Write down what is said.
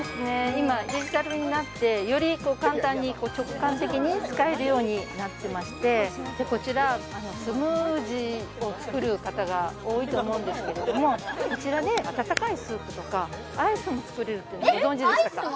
今デジタルになってより簡単に直感的に使えるようになってましてこちらスムージーを作る方が多いと思うんですけれどもこちらで温かいスープとかアイスも作れるってご存じでしたか？